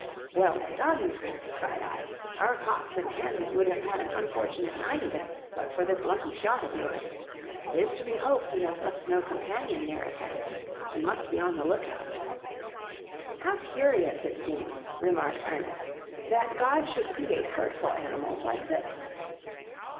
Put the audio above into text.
"Well done, Fritz!" cried I. "Our cocks and hens would have had an unfortunate night of it but for this lucky shot of yours. It is to be hoped he has left no companion near at hand. You must be on the lookout." "How curious it seems," remarked Ernest, "that God should create hurtful animals like this."